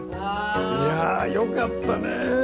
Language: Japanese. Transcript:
いやぁよかったね！